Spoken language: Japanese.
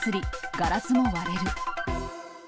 ガラスも割れる。